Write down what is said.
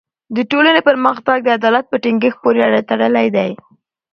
د ټولني پرمختګ د عدالت په ټینګښت پوری تړلی دی.